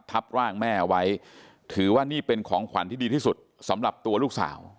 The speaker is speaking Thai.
ทับร่างแม่เอาไว้ถือว่านี่เป็นของขวัญที่ดีที่สุดสำหรับตัวลูกสาว